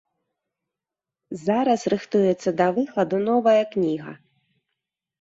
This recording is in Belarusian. Зараз рыхтуецца да выхаду новая кніга.